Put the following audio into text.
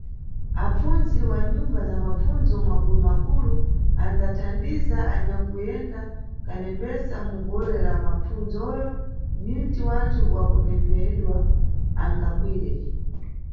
Apfundzi wa nyumba za mapfundzo makulumakulu anʼdzathandiza anyakuyenda kanembesa mu gole la mapfundzoyo, ninti wanthu wa kunembedwa angakwire.